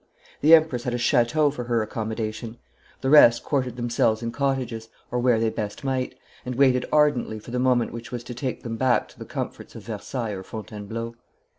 The Empress had a chateau for her accommodation. The rest quartered themselves in cottages or where they best might, and waited ardently for the moment which was to take them back to the comforts of Versailles or Fontainebleau.